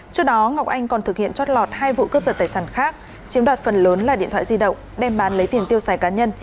trước đó ngọc anh còn thực hiện trót lọt hai vụ cướp giật tài sản khác chiếm đoạt phần lớn là điện thoại di động đem bán lấy tiền tiêu xài cá nhân